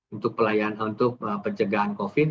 untuk pelayanan untuk pencegahan covid sembilan belas